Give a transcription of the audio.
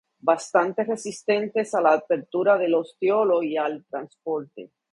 Bastantes resistentes a la apertura del ostiolo y al transporte.